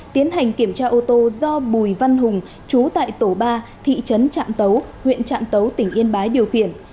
tiến hành kiểm tra ô tô do bùi văn hùng chú tại tổ ba thị trấn trạm tấu huyện trạm tấu tỉnh yên bái điều khiển